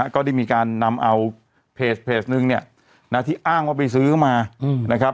ก็ได้มีการนำเอาเพจนึงที่อ้างว่าไปซื้อเข้ามา